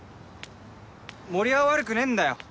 森生は悪くねえんだよ。